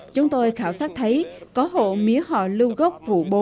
chúng tôi khảo sát thấy có hộ mía họ lưu gốc vụ bốn